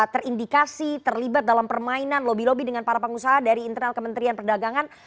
terindikasi terlibat dalam permainan lobby lobby dengan para pengusaha dari internal kementerian perdagangan